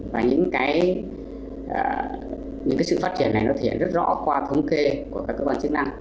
và những cái sự phát triển này nó thể hiện rất rõ qua thống kê của các cơ quan chức năng